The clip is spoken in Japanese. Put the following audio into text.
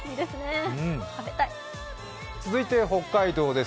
続いて北海道です。